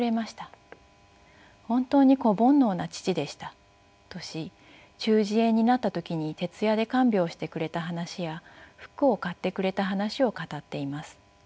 本当に子煩悩な父でした」とし中耳炎になった時に徹夜で看病してくれた話や服を買ってくれた話を語っています。